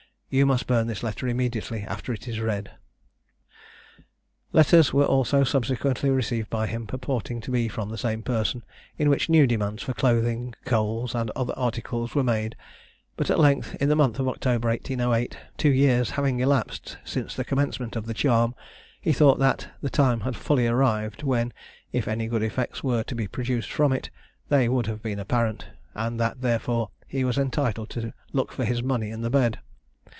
You must burn this letter immediately after it is read." Letters were also subsequently received by him, purporting to be from the same person, in which new demands for clothing, coals, and other articles were made, but at length, in the month of October 1808, two years having elapsed since the commencement of the charm, he thought that, the time had fully arrived, when, if any good effects were to be produced from it, they would have been apparent, and that therefore he was entitled to look for his money in the bed.